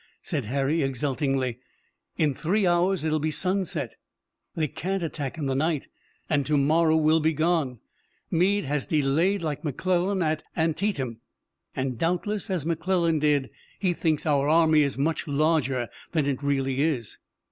said Harry exultingly. "In three hours it will be sunset. They can't attack in the night and to morrow we'll be gone. Meade has delayed like McClellan at Antietam, and, doubtless as McClellan did, he thinks our army much larger than it really is."